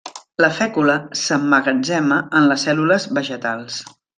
La fècula s'emmagatzema en les cèl·lules vegetals.